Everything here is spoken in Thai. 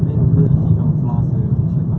คุณผู้ชายเล่าจริงว่า